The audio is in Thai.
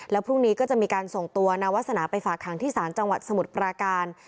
แล้วพรุ่งนี้ก็จะมีการส่งตัวนาวาสนาไปฝากหางที่ศาลจังหวัดสมุทรปราการ